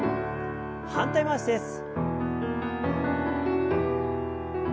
反対回しです。